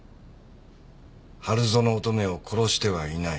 春薗乙女を殺してはいない。